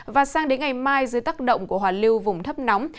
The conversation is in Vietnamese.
và sang đến ngày mai dưới tác động của hoàn lưu vùng thấp nóng